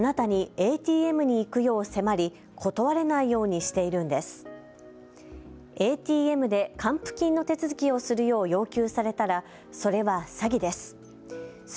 ＡＴＭで還付金の手続きをするよう要求されたらそれは詐欺です。